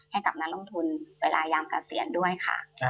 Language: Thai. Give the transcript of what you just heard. ให้กับนักลงทุนเวลายามเกษียณด้วยค่ะ